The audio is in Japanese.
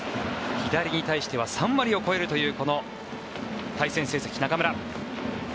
左に対しては３割を超えるという対戦成績、中村。